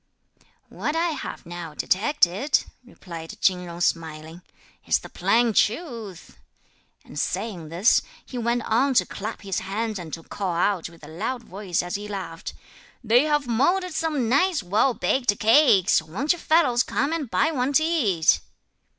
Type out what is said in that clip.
"What I have now detected," replied Chin Jung smiling, "is the plain truth!" and saying this he went on to clap his hands and to call out with a loud voice as he laughed: "They have moulded some nice well baked cakes, won't you fellows come and buy one to eat!"